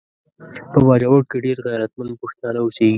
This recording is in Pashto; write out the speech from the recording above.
په باجوړ کې ډیر غیرتمند پښتانه اوسیږي